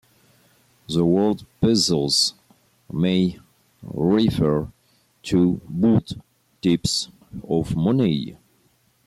The word "pesos" may refer to both types of money.